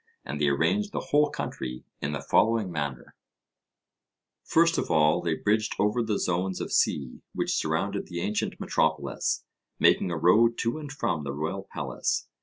And they arranged the whole country in the following manner: First of all they bridged over the zones of sea which surrounded the ancient metropolis, making a road to and from the royal palace.